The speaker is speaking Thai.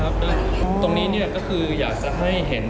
คุณต้องไปคุยกับทางเจ้าหน้าที่เขาหน่อย